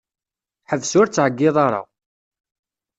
Ḥbes ur ttɛeyyiḍ ara.